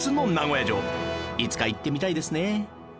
いつか行ってみたいですね